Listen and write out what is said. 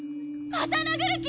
また殴る気！？